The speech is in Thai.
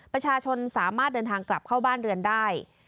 ประชาชนสามารถเดินทางกลับเข้าบ้านเรือนได้